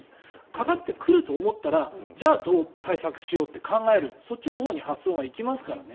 かかってくると思ったらじゃあ、どう対策しようって考える、そっちのほうに発想が行きますからね。